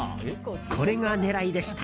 これが狙いでした。